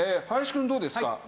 伊沢くんどうですか？